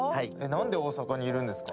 何で大阪にいるんですか？